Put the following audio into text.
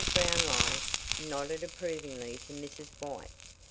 Brownlie nodded approvingly to Mrs. White.